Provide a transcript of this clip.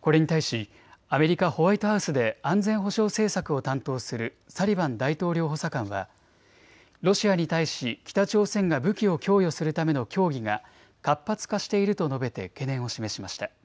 これに対しアメリカ・ホワイトハウスで安全保障政策を担当するサリバン大統領補佐官はロシアに対し北朝鮮が武器を供与するための協議が活発化していると述べて懸念を示しました。